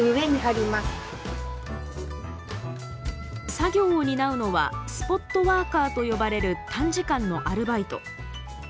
作業を担うのはスポットワーカーと呼ばれる短時間のアルバイト。